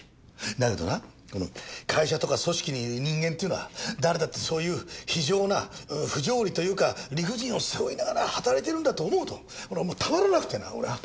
だけどな会社とか組織にいる人間っていうのは誰だってそういう非情な不条理というか理不尽を背負いながら働いてるんだと思うとたまらなくてな俺は。